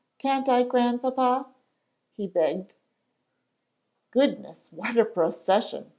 Can't I, Grandpapa?" he begged. "Goodness, what a procession!"